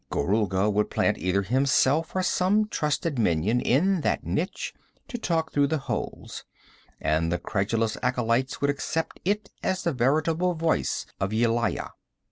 Gorulga would plant either himself or some trusted minion in that niche, to talk through the holes, and the credulous acolytes would accept it as the veritable voice of Yelaya.